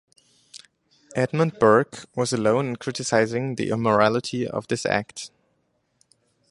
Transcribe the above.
Edmund Burke was alone in criticizing the immorality of this act.